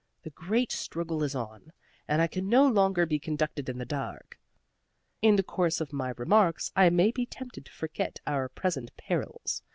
The last great struggle is on, and it can no longer be conducted in the dark. In the course of my remarks I may be tempted to forget our present perils.